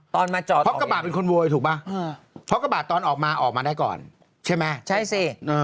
ตอนมาจอดออกอย่างไรพร้อมกระบาดเป็นคนโวยถูกไหมพร้อมกระบาดตอนออกมาออกมาได้ก่อนใช่ไหมใช่สิ